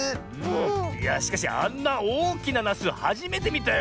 いやしかしあんなおおきななすはじめてみたよ。